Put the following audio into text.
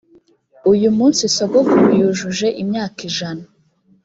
uyu munsi sogokuru yujuje imyaka ijana